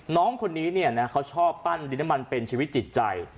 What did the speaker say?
น้องคนนี้เนี่ยนะเขาชอบปั้นดินน้ำมันเป็นชีวิตจิตใจ